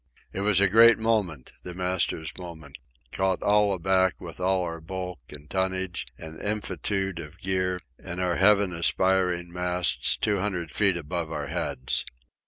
It was a great moment, the master's moment—caught all aback with all our bulk and tonnage and infinitude of gear, and our heaven aspiring masts two hundred feet above our heads.